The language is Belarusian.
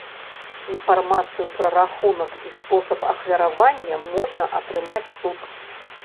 Інфармацыю пра рахунак і спосаб ахвяравання можна атрымаць тут.